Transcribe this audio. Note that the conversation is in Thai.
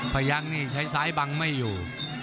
ยักษ์นี่ใช้ซ้ายบังไม่อยู่